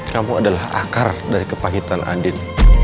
kamu adalah akar dari kepahitan andin